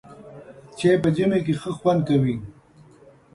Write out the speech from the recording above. چای په ژمي کې ښه خوند کوي.